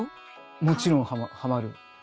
もちろんハマる。